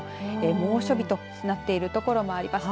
猛暑日となっている所もあります。